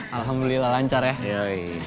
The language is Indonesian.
alhamdulillah lancar ya